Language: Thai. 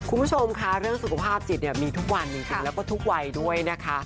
คุณผู้ชมค่ะเรื่องสุขภาพจิตเนี่ยมีทุกวันจริงแล้วก็ทุกวัยด้วยนะคะ